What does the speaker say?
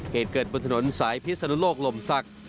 เหตุเกิดบนถนนสายพิศนุโลกลมศักดิ์